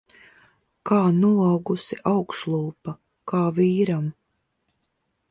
Kā noaugusi augšlūpa. Kā vīram.